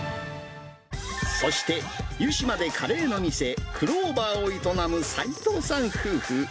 そして、湯島でカレーの店、くろーばーを営む齊藤さん夫婦。